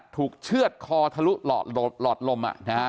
เชื่อดคอทะลุหลอดลม